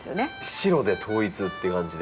白で統一っていう感じで。